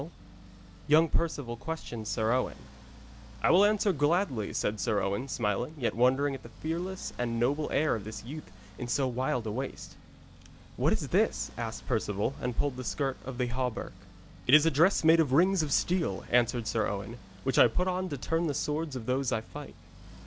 [Illustration: YOUNG PERCEVAL QUESTIONS SIR OWEN] 'I will answer gladly,' said Sir Owen, smiling, yet wondering at the fearless and noble air of this youth in so wild a waste. 'What is this?' asked Perceval, and pulled the skirt of the hauberk. 'It is a dress made of rings of steel,' answered Sir Owen, 'which I put on to turn the swords of those I fight.'